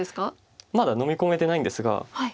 まだ飲み込めてないんですが。